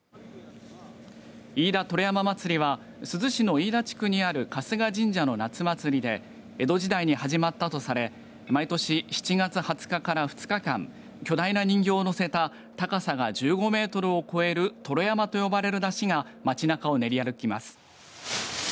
飯田燈籠山祭りは珠洲市の飯田地区にある春日神社の夏祭りで江戸時代に始まったとされ毎年７月２０日から２日間巨大な人形を載せた高さが１５メートルを超える燈籠山と呼ばれる山車が街なかを練り歩きます。